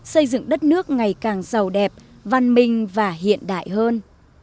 xây dựng đất nước ngày càng giàu đẹp văn minh và hiện đại hơn